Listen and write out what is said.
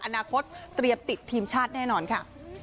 อนาคตเตรียมติดทีมชาติแน่นอนค่ะ